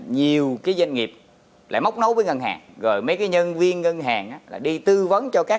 nhiều cái doanh nghiệp lại móc nối với ngân hàng rồi mấy cái nhân viên ngân hàng là đi tư vấn cho các